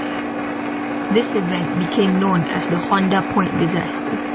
This event became known as the Honda Point Disaster.